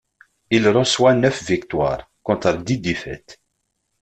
Il reçoit neuf victoires, contre dix défaites.